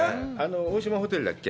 大島ホテルだっけ？